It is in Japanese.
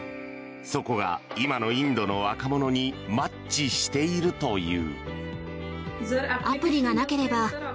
そこが今のインドの若者にマッチしているという。